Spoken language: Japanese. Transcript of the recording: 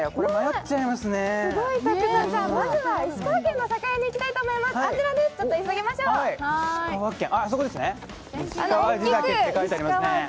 まずは石川県の酒屋に行きたいと思います、あそこです、石川地